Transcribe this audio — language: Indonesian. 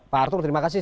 pak arthur terima kasih